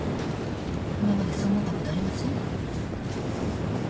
今までそう思ったことありません？